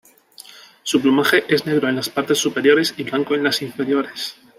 Su plumaje es negro en las partes superiores y blanco en las inferiores.